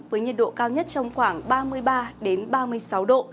với nhiệt độ cao nhất trong khoảng ba mươi ba ba mươi sáu độ